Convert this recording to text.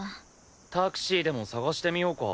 タクシーでも探してみようか？